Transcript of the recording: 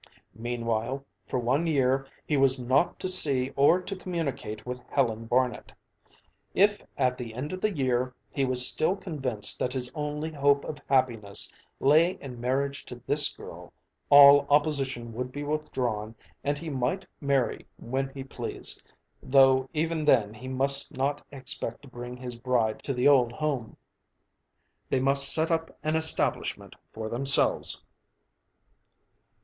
Meanwhile, for one year, he was not to see or to communicate with Helen Barnet. If at the end of the year, he was still convinced that his only hope of happiness lay in marriage to this girl, all opposition would be withdrawn and he might marry when he pleased though even then he must not expect to bring his bride to the old home. They must set up an establishment for themselves.